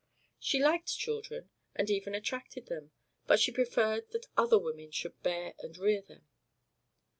She liked children, and even attracted them, but she preferred that other women should bear and rear them.